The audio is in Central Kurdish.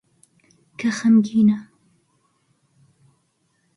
کە خەمگینە